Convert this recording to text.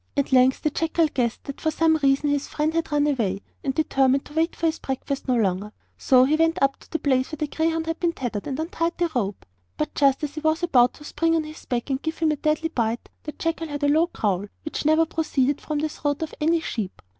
At length the jackal guessed that for some reason his friend had run away, and determined to wait for his breakfast no longer. So he went up to the place where the greyhound had been tethered and untied the rope. But just as he was about to spring on his back and give him a deadly bite, the jackal heard a low growl, which never proceeded from the throat of any sheep.